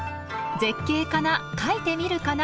「絶景かな描いてみるかな」